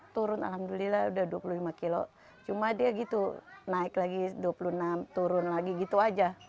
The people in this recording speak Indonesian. turun alhamdulillah udah dua puluh lima kilo cuma dia gitu naik lagi dua puluh enam turun lagi gitu aja